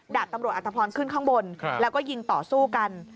ดาบตำรวจอัตภพรขึ้นข้างบนแล้วก็ยิงต่อสู้กัน